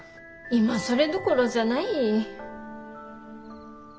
今それどころじゃない。